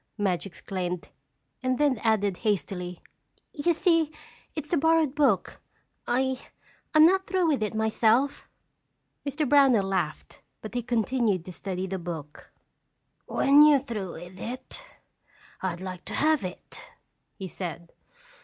Madge exclaimed and then added hastily: "You see, it's a borrowed book. I—I'm not through with it myself." Mr. Brownell laughed but he continued to study the book. "When you're through with it, I'd like to have it," he said.